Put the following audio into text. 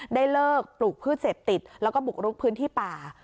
ได้เลิกปลูกพืชเสพติดแล้วก็บุกรุกพื้นที่ป่า